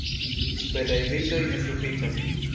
Belaj bildoj ne sufiĉas!